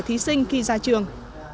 thí sinh khi ra trường